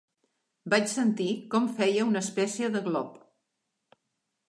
Vaig sentir com feia una espècie de glop.